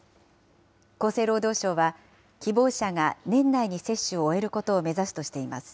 厚生労働省は、希望者が年内に接種を終えることを目指すとしています。